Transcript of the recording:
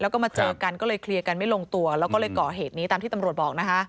แล้วก็มาเจอกันก็เลยเคลียร์กันไม่ลงตัวแล้วก็เลยก่อเหตุนี้ตามที่ตำรวจบอกนะคะ